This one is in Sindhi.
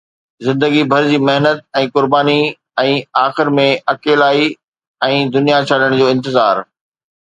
زندگي بھر جي محنت ۽ قرباني ۽ آخر ۾ اڪيلائي ۽ دنيا ڇڏڻ جو انتظار